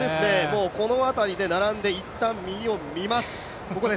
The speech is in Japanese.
この辺りで並んで、一旦右を見ます。